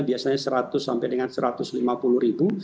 biasanya seratus sampai dengan satu ratus lima puluh ribu